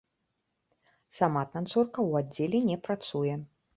Сама танцорка ў аддзеле не працуе.